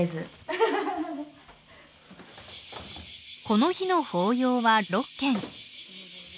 この日の法要は６軒。